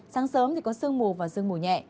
sáng sớm thì có sương mù và sương mù nhẹ